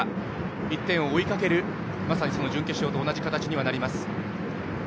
１点を追いかけるまさに準決勝と同じ形になります。